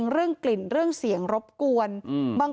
สวัสดีคุณผู้ชายสวัสดีคุณผู้ชาย